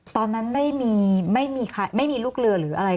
ตอนนั้นไม่มีลูกเรือหรืออะไร